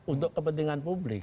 untuk kepentingan publik